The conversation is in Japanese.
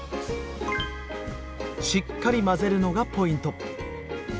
しっかり混ぜるのがポイント。